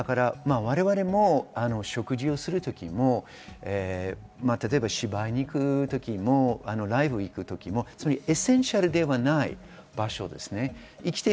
我々も食事をする時も芝居に行く時もライブに行く時もエッセンシャルではない場所ですね。